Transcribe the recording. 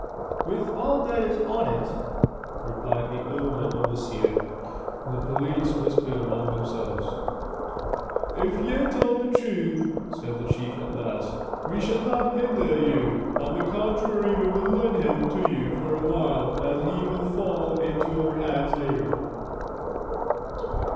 "With all that is on it," replied the elder overseer. The police whispered among themselves. "If ye tell the truth," said the chief at last, "we shall not hinder you. On the contrary, we will lend him to you for a while, as he will fall into our hands later."